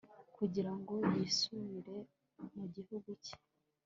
kugira ngo yisubirire mu gihugu cye